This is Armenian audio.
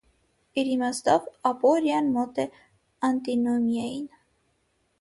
Իր իմաստով ապորիան մոտ է անտինոմիային։